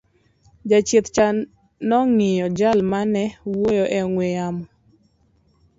jachieth cha nong'iyo jal mane wuoyo e ong'we yamo